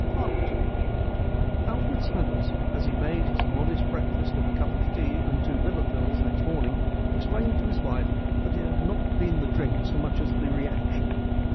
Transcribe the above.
II Alfred Smithers, as he made his modest breakfast of a cup of tea and two liver pills next morning, explained to his wife that it had not been the drink so much as the reaction.